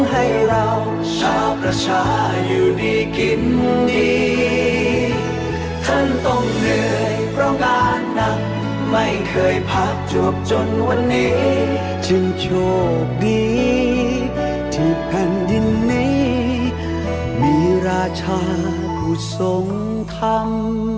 ให้พระองค์อานท์นับไม่เคยพักจวบจนวันนี้จึงโชคดีที่แผ่นดินนี้มีราชาผู้ทรงธรรม